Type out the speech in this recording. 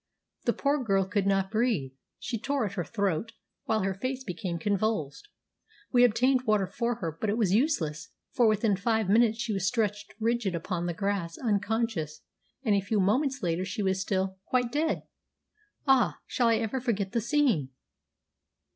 The poor girl could not breathe. She tore at her throat, while her face became convulsed. We obtained water for her, but it was useless, for within five minutes she was stretched rigid upon the grass, unconscious, and a few moments later she was still quite dead! Ah, shall I ever forget the scene!